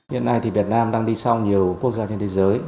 hiện nay thì việt nam đang đi sau nhiều quốc gia trên thế giới